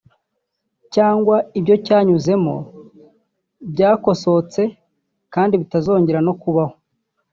cyangwa ibyo cyanyuzemo byakosotse kandi bitazongera no kubaho”